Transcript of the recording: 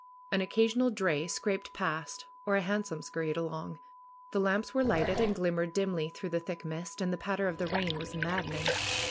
An occasional dray scraped past or a hansom scurried along. The lamps were lighted and glimmered dimly through the thick mist and the patter of the rain was maddening.